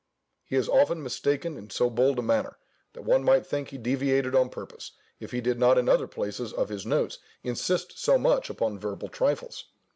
He is often mistaken in so bold a manner, that one might think he deviated on purpose, if he did not in other places of his notes insist so much upon verbal trifles.